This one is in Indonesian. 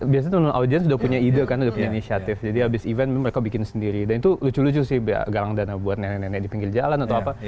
biasanya non audiens udah punya ide karena udah punya inisiatif jadi abis event mereka bikin sendiri dan itu lucu lucu sih galang dana buat nenek nenek di pinggir jalan atau apa